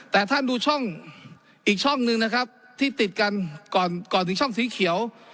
แต่ท่านดูช่องอีกช่องหนึ่งนะครับที่ติดกันก่อนก่อนถึงช่องสีเขียว